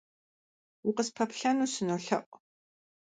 Укъыспэплъэну сынолъэӏу.